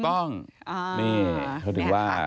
ถูกต้องนี่เขาถือว่า